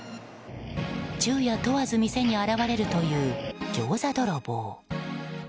昼夜問わず店に現れるというギョーザ泥棒。